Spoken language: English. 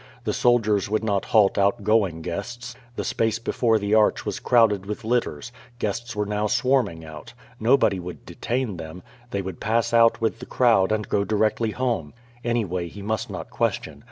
The soldiers would not halt outgoing guests. The space before the arch was crowded with litters. Guests were now swarming out. Nobody would detain them. They would pass out with the crowd and go directly home. Anyway, he must not question.